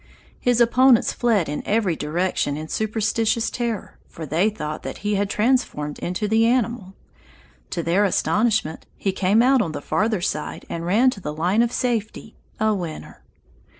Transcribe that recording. His opponents fled in every direction in superstitious terror, for they thought he had been transformed into the animal. To their astonishment he came out on the farther side and ran to the line of safety, a winner!